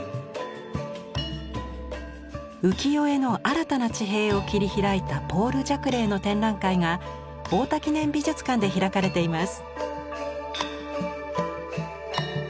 浮世絵の新たな地平を切り開いたポール・ジャクレーの展覧会が太田記念美術館で開かれています。